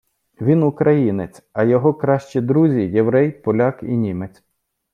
Він українець, а його кращі друзі – єврей, поляк і німець.